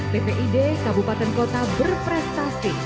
bpid kabupaten kota berprestasi